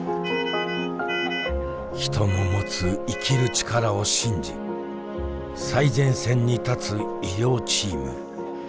人の持つ生きる力を信じ最前線に立つ医療チーム。